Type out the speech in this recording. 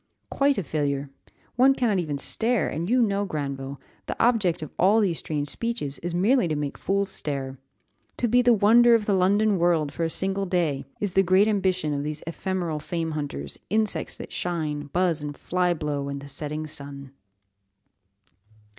Quite a failure, one cannot even stare, and you know, Granville, the object of all these strange speeches is merely to make fools stare. To be the wonder of the London world for a single day, is the great ambition of these ephemeral fame hunters 'insects that shine, buzz, and fly blow in the setting sun.